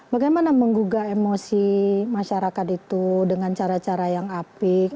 bagaimana menggugah emosi masyarakat itu dengan cara cara yang apik